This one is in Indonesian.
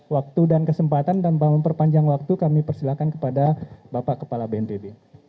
waktu dan kesempatan dan memperpanjang waktu kami persilahkan kepada bapak kepala bnpb